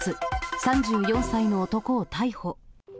３４歳の男を逮捕。